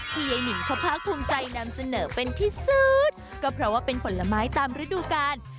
ยายนิงเขาภาคภูมิใจนำเสนอเป็นที่สุดก็เพราะว่าเป็นผลไม้ตามฤดูกาล